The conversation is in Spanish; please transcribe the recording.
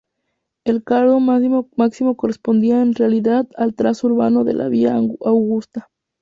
El cardo máximo correspondía en realidad al trazado urbano de la vía Augusta.